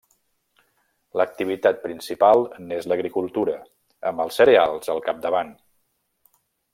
L'activitat principal n'és l'agricultura, amb els cereals al capdavant.